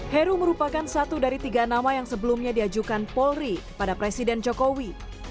heru merupakan satu dari tiga nama yang sebelumnya diajukan polri kepada presiden jokowi